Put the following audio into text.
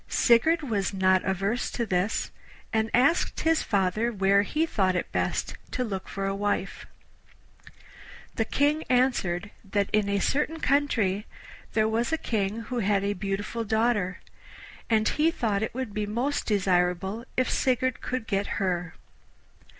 Sigurd was not averse to this, and asked his father where he thought it best to look for a wife. The King answered that in a certain country there was a King who had a beautiful daughter, and he thought it would be most desirable if Sigurd could get her.